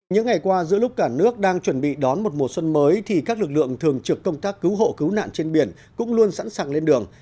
những ngày qua giữa lúc cả nước đang chuẩn bị đón một mùa xuân mới thì các lực lượng thường trực công tác cứu hộ cứu nạn trên biển cũng luôn sẵn sàng lên đường